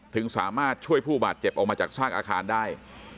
ถึงสามารถช่วยผู้บาดเจ็บออกมาจากซากอาคารได้